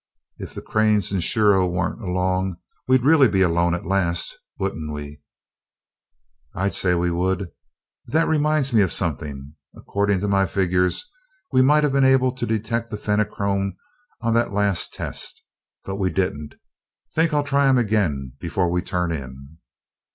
"If the Cranes and Shiro weren't along, we'd be really 'alone at last,' wouldn't we?" "I'll say we would! But that reminds me of something. According to my figures, we might have been able to detect the Fenachrone on the last test, but we didn't. Think I'll try 'em again before we turn in."